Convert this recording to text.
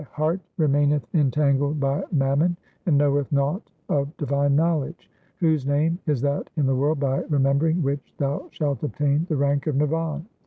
408 THE SIKH RELIGION The heart remaineth entangled by mammon, and knoweth naught of divine knowledge. Whose name is that in the world by remembering which thou shalt obtain the rank of nirvan